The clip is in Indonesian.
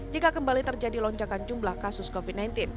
jika kembali terjadi lonjakan jumlah kasus covid sembilan belas